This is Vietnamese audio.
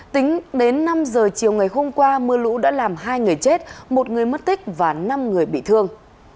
tính đến năm giờ chiều ngày hôm qua mưa lũ đã làm hai người chết một người mất tích và năm người bị thương